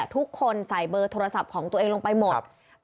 ทุกคนใส่เบอร์โทรศัพท์ของตัวเองลงไปหมด